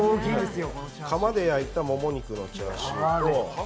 窯で焼いたもも肉のチャーシュー。